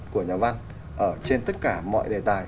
của nhà văn ở trên tất cả mọi đề tài